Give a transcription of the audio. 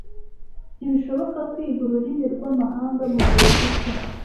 Ntibishoboka kwiga ururimi rwamahanga mugihe gito.